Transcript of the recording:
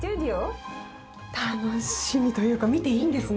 楽しみというか見ていいんですね